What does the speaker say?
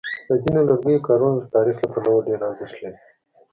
د ځینو لرګیو کارونه د تاریخ له پلوه ډېر ارزښت لري.